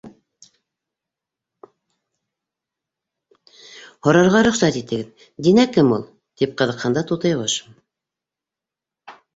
—Һорарға рөхсәт итегеҙ: Динә кем ул? —тип ҡыҙыҡһынды Тутыйғош.